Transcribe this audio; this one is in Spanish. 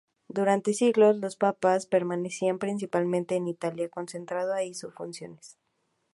Durante siglos, los Papas permanecían principalmente en Italia concentrando ahí sus funciones.